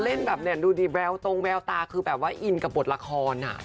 เล่นแบบเนี่ยดูดิแววตรงแววตาคือแบบว่าอินกับบทละคร